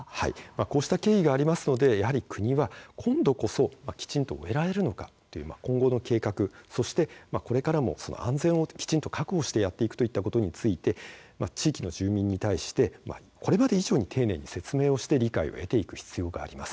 こうした経緯があるのでやはり国は今度こそきちんと終えられるのかという今後の計画そしてこれからもその安全をきちんと確保してやっていくこということに対し地域の住民に対してこれまで以上に丁寧に説明をして理解を得ていく必要があります。